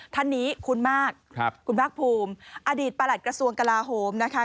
ท่านนี้คุ้นมากครับคุณภาคภูมิอดีตประหลัดกระทรวงกลาโหมนะคะ